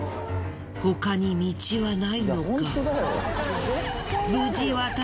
他に道はないのか？